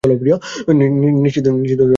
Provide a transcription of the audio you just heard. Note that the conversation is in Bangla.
নিশ্চিত আকর্ষণীয় কিছু।